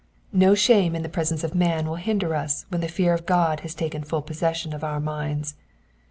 No shame in the presence of man will hinder us when the fear of God has taken full possession of our minds.